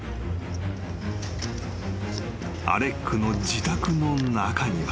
［アレックの自宅の中には］